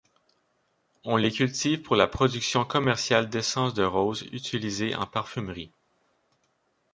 On les cultive pour la production commerciale d'essence de rose utilisée en parfumerie.